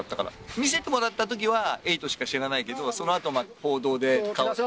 見せてもらったときは、エイトしか知らないけど、そのあと報道で顔を。